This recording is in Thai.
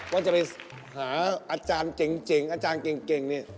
ว่าจะไปหาอาจารย์เจ๋งอาจารย์เก่งเนี่ย